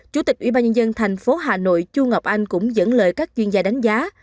chủ tịch ubnd thành phố hà nội chu ngọc anh cũng dẫn lời các chuyên gia đánh giá